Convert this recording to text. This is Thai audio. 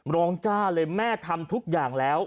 จ้าเลยแม่ทำทุกอย่างแล้ว